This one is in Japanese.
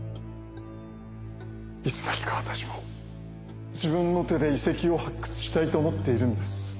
いつの日か私も自分の手で遺跡を発掘したいと思っているんです。